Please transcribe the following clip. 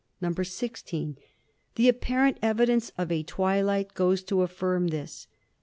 "(16) The apparent evidence of a twilight goes to affirm this.